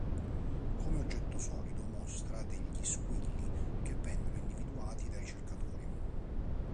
Come oggetto solido, mostra degli "squilli" che vennero individuati dai ricercatori.